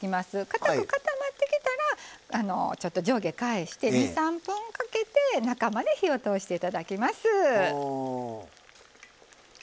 かたく固まってきたら上下返して２３分かけて中まで火を通していただきます。